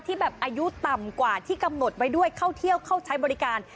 แบบอายุต่ำกว่าที่กำหนดไว้ด้วยเข้าเที่ยวเข้าใช้บริการ